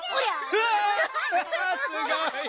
うわすごい！